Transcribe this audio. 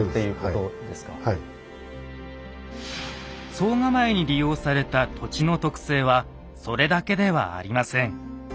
総構に利用された土地の特性はそれだけではありません。